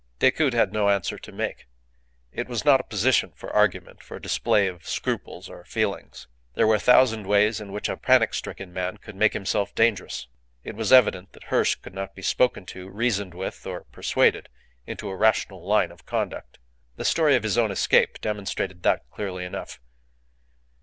Decoud had no answer to make. It was not a position for argument, for a display of scruples or feelings. There were a thousand ways in which a panic stricken man could make himself dangerous. It was evident that Hirsch could not be spoken to, reasoned with, or persuaded into a rational line of conduct. The story of his own escape demonstrated that clearly enough.